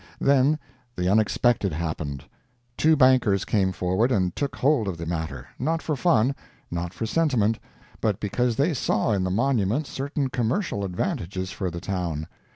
Then the unexpected happened. Two bankers came forward and took hold of the matter not for fun, not for sentiment, but because they saw in the monument certain commercial advantages for the town.